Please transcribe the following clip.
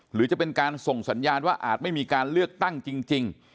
หรือจะเป็นการส่งสัญญาณว่าอาจไม่มีการเลือกตั้งจริง